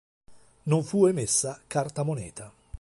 Non fu emessa carta-moneta.